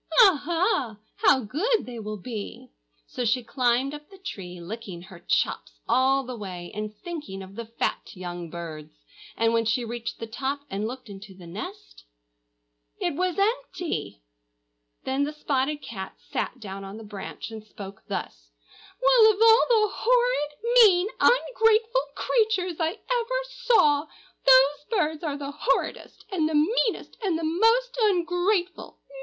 Aha! how good they will be!" So she climbed up the tree, licking her chops all the way and thinking of the fat young birds. And when she reached the top and looked into the nest, it was empty!! Then the spotted cat sat down on the branch and spoke thus, "Well, of all the horrid, mean, ungrateful creatures I ever saw, those birds are the horridest, and the meanest, and the most ungrateful!